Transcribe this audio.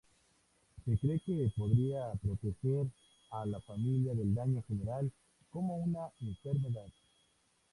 Se cree que podrá proteger a la familia del daño general, como una enfermedad.